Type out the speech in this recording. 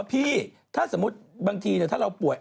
พี่ถ้าสมมุติมีปวด